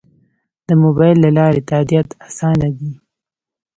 د موبایل له لارې تادیات اسانه دي؟